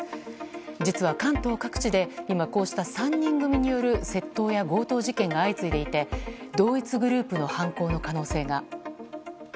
実は、関東各地で今、こうした３人組による窃盗や強盗事件が相次いでいて同一グループの犯行の可能性が。